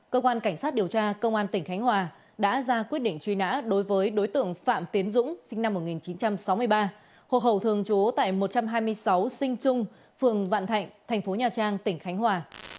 cơ quan cảnh sát điều tra công an tỉnh khánh hòa đã ra quyết định truy nã đối với đối tượng phạm tiến dũng sinh năm một nghìn chín trăm sáu mươi ba hộ khẩu thường trú tại một trăm hai mươi sáu sinh trung phường vạn thạnh tp nhà trang tỉnh khánh hòa